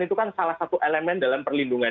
itu kan salah satu elemen dalam perlindungan